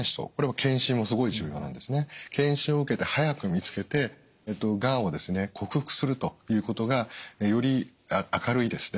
検診を受けて早く見つけてがんを克服するということがより明るいですね